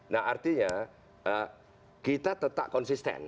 nah artinya kita tetap konsisten